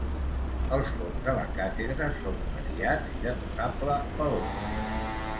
Els fons de la Càtedra són variats i de notable valor.